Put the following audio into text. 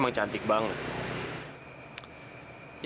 oh makasih kamu tahu dennny apa nanya